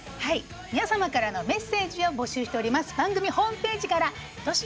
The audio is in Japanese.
皆様からのメッセージを募集しております。